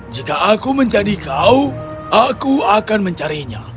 jika aku menjadi kau aku akan mencarinya